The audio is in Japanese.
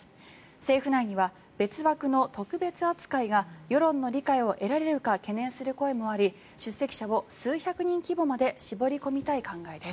政府内には別枠の特別扱いが世論の理解を得られるか懸念の声もあり出席者を数百人規模まで絞り込みたい考えです。